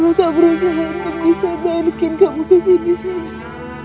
mama akan berusaha untuk bisa balikin kamu ke sini sayang